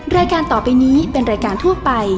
รายการต่อไปนี้เป็นรายการทั่วไป